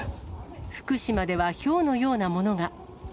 福島ではひょうのようなものが。